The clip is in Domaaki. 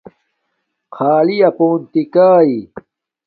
خݳلݵ اپݸن تِکݳنݺ.